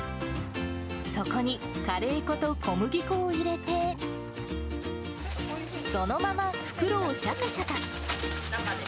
そこに、カレー粉と小麦粉を入れて、そのまま袋をしゃかしゃか。